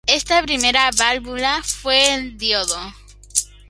Esta primera válvula fue el diodo.